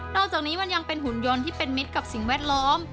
อกจากนี้มันยังเป็นหุ่นยนต์ที่เป็นมิตรกับสิ่งแวดล้อม